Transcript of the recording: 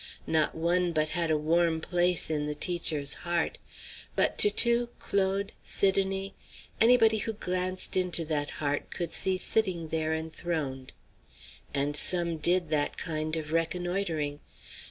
Not one but had a warm place in the teacher's heart. But Toutou, Claude, Sidonie, anybody who glanced into that heart could see sitting there enthroned. And some did that kind of reconnoitring.